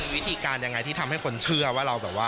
วิธีการยังไงที่ทำให้คนเชื่อว่าเราแบบว่า